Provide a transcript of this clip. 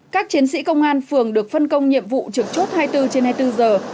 các chiến sĩ công an phường được phân công nhiệm vụ trực chốt hai mươi bốn trên hai mươi bốn giờ